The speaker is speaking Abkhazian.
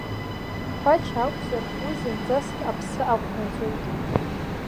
Бача акәзар, уи зынӡаск аԥсы ақәнаҵоит.